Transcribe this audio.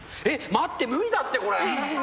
待って、無理だって、これ。